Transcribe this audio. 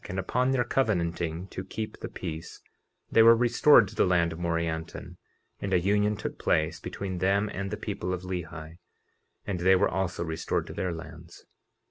And upon their covenanting to keep the peace they were restored to the land of Morianton, and a union took place between them and the people of Lehi; and they were also restored to their lands.